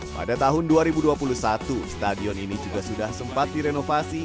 pada tahun dua ribu dua puluh satu stadion ini juga sudah sempat direnovasi